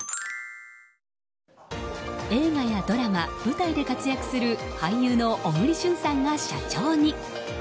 映画やドラマ、舞台で活躍する俳優の小栗旬さんが社長に。